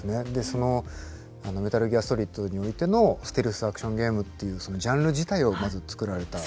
その「メタリギアソリッド」においてのステルスアクションゲームっていうそのジャンル自体をまずつくられた。